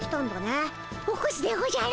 起こすでおじゃる。